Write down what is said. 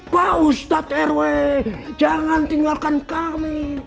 pak ustadz rw jangan tinggalkan kami